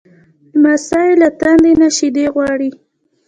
لمسی له تندې نه شیدې غواړي.